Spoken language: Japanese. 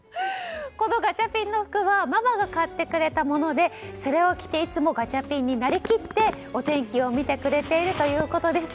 このガチャピンの服はママが買ってくれたものでそれを着て、いつもガチャピンになりきってお天気を見てくれているということです。